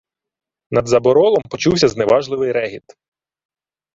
Над заборолом почувся зневажливий регіт: